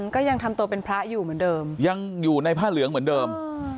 ก็ยังทำตัวเป็นพระอยู่เหมือนเดิมยังอยู่ในผ้าเหลืองเหมือนเดิม